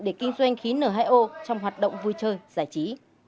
để kinh doanh khí n hai o trong hoạt động vui chơi giải trí